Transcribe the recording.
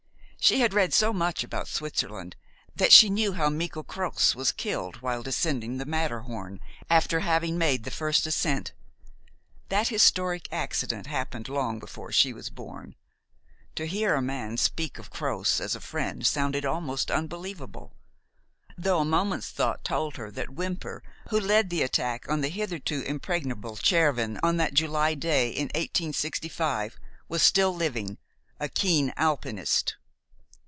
She had read so much about Switzerland that she knew how Michel Croz was killed while descending the Matterhorn after having made the first ascent. That historic accident happened long before she was born. To hear a man speak of Croz as a friend sounded almost unbelievable, though a moment's thought told her that Whymper, who led the attack on the hitherto impregnable Cervin on that July day in 1865, was still living, a keen Alpinist.